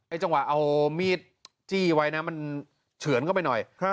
จังหวะเอามีดจี้ไว้นะมันเฉือนเข้าไปหน่อย